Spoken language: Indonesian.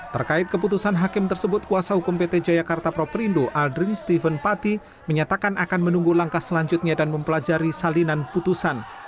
terkait keputusan hakim tersebut kuasa hukum pt jayakarta properindo aldrin steven pati menyatakan akan menunggu langkah selanjutnya dan mempelajari salinan putusan